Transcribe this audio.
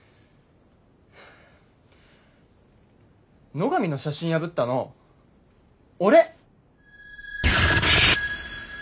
野上の写真破ったの俺。